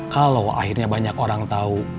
kalau akhirnya banyak orang tahu